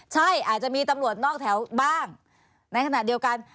ใช่อาจจะมีตำรวจนอกแถวบ้างในขณะเดียวกัน